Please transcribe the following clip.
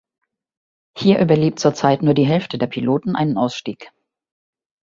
Hier überlebt zurzeit nur die Hälfte der Piloten einen Ausstieg.